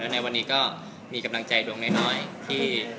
ในวันนี้ก็มีกำลังใจด้วยค่ะ